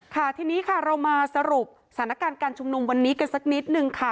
ค่ะทีนี้ค่ะเรามาสรุปสถานการณ์การชุมนุมวันนี้กันสักนิดนึงค่ะ